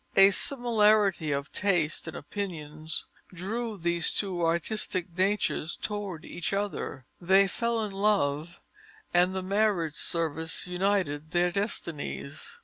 A similarity of tastes and opinions drew these two artistic natures toward each other. They fell in love, and the marriage service united their destinies.